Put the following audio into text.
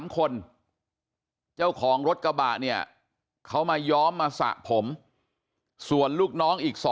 ๓คนเจ้าของรถกระบะเนี่ยเขามาย้อมมาสระผมส่วนลูกน้องอีก๒